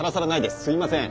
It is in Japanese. すいません！